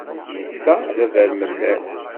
Netta d abermellal.